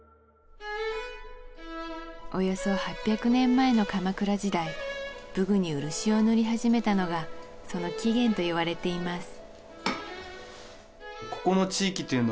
およそ８００年前の鎌倉時代武具に漆を塗り始めたのがその起源といわれています